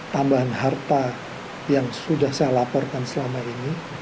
tambahan harta yang sudah saya laporkan selama ini